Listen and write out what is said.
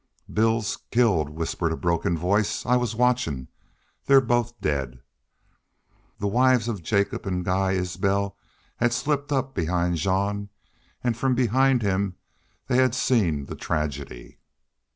"Bill's killed!" whispered a broken voice. "I was watchin'.... They're both dead!" The wives of Jacobs and Guy Isbel had slipped up behind Jean and from behind him they had seen the tragedy.